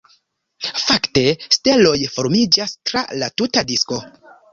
Fakte, steloj formiĝas tra la tuta disko.